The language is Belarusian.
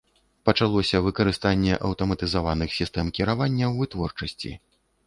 Пачалося выкарыстанне аўтаматызаваных сістэм кіравання ў вытворчасці.